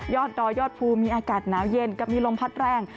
ดอยยอดภูมิมีอากาศหนาวเย็นกับมีลมพัดแรง